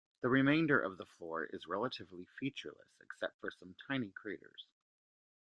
The remainder of the floor is relatively featureless except for some tiny craters.